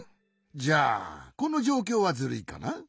じゃあこのじょうきょうはズルいかな？